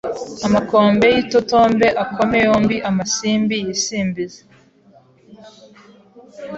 Amakombe yitotombe akome yombi Amasimbi yisimbize